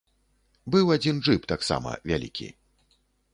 Быў адзін джып таксама, вялікі.